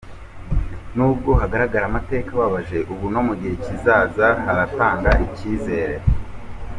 Nubwo hagaragara amateka ababaje, ubu no mu gihe kizaza haratanga icyizere”.